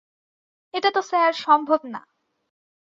এটা তো স্যার সম্ভব না।